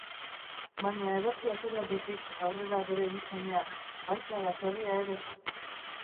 Baina ederki atera ditik aurrera bere bi semeak, baita baserria ere!